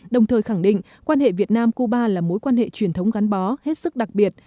đồng thời khẳng định quan hệ việt nam cuba là mối quan hệ truyền thống gắn bó hết sức đặc biệt